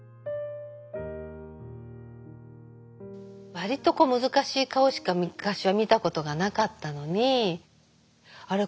割と難しい顔しか昔は見たことがなかったのに「あれ？